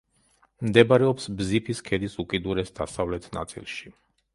მდებარეობს ბზიფის ქედის უკიდურეს დასავლეთ ნაწილში.